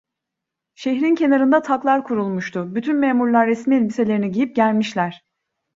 Şehrin kenarında taklar kurulmuştu, bütün memurlar resmi elbiselerini giyip gelmişler.